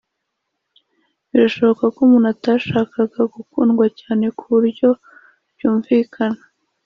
birashoboka ko umuntu atashakaga gukundwa cyane kuburyo byumvikana.